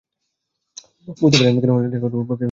বুঝতে পারি না কেন ওই লেখাগুলোর ওপর ওর এত পক্ষপাতিত্ব।